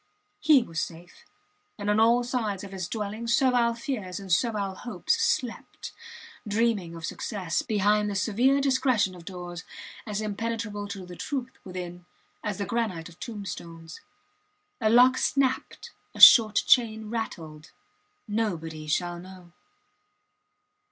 He was safe; and on all sides of his dwelling servile fears and servile hopes slept, dreaming of success, behind the severe discretion of doors as impenetrable to the truth within as the granite of tombstones. A lock snapped a short chain rattled. Nobody shall know!